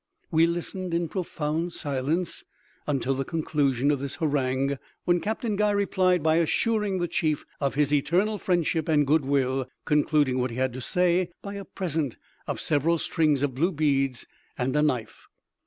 We listened in profound silence until the conclusion of this harangue, when Captain Guy replied by assuring the chief of his eternal friendship and goodwill, concluding what he had to say by a present of several strings of blue beads and a knife.